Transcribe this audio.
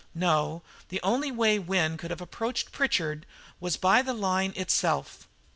No; the only way Wynne could have approached Pritchard was by the line itself.